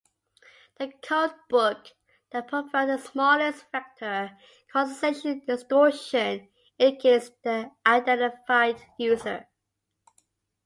The codebook that provides the smallest vector quantization distortion indicates the identified user.